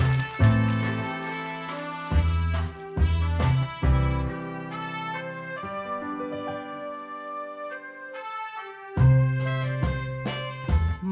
รับทราบฮฮฮฮ